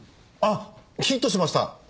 あっヒットしました！